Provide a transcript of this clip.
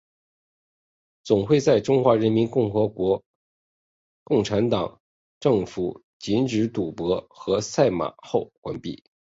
总会在中华人民共和国共产党政府禁止赌博和赛马后关闭。